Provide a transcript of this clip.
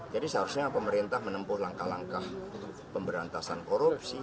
jadi seharusnya pemerintah menempuh langkah langkah pemberantasan korupsi